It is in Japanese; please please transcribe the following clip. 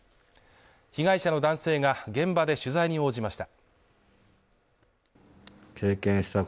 被害者の男性が現場で取材に応じました。